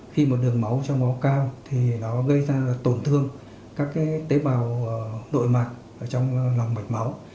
khi một đường máu trong máu cao thì nó gây ra tổn thương các tế bào nội mạch trong lòng mạch máu